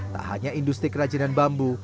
tak hanya industri kerajinan bambu